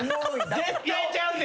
絶対ちゃうって。